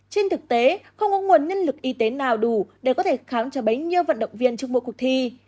trên thực tế không có nguồn nhân lực y tế nào đủ để có thể kháng cho bấy nhiêu vận động viên trong mỗi cuộc thi